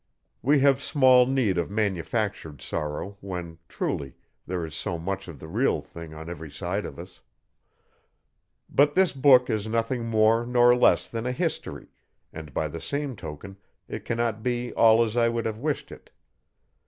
We have small need of manufactured sorrow when, truly, there is so much of the real thing on every side of us. But this book is nothing more nor less than a history, and by the same token it cannot be all as I would have wished it.